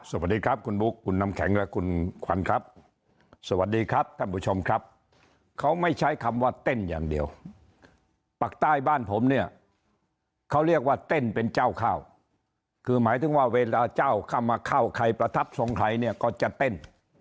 สวัสดีครับคุณบุ๊คคุณน้ำแข็งและคุณขวัญครับสวัสดีครับท่านผู้ชมครับเขาไม่ใช้คำว่าเต้นอย่างเดียวปากใต้บ้านผมเนี่ยเขาเรียกว่าเต้นเป็นเจ้าข้าวคือหมายถึงว่าเวลาเจ้าเข้ามาเข้าใครประทับทรงใครเนี่ยก็จะเต้น